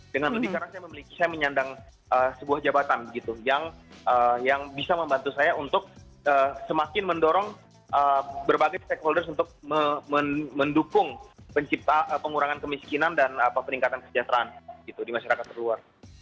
dengan lebih karena saya menyandang sebuah jabatan begitu yang bisa membantu saya untuk semakin mendorong berbagai stakeholders untuk mendukung pengurangan kemiskinan dan peningkatan kesejahteraan di masyarakat terluar